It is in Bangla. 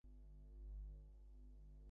বেশি খেয়ে ফেলেছি।